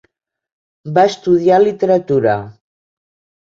Va estudiar literatura.